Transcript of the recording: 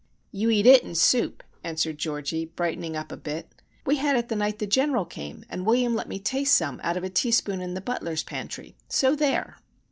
"You eat it in soup," answered Georgie, brightening up a bit. "We had it the night the General came, and William let me taste some out of a teaspoon in the butler's pantry,—so there!"